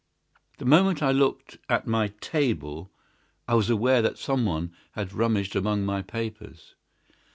"The moment I looked at my table I was aware that someone had rummaged among my papers.